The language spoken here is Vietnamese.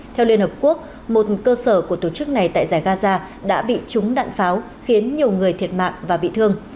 theo liên hợp quốc một cơ sở của tổ chức này tại giải gaza đã bị trúng đạn pháo khiến nhiều người thiệt mạng và bị thương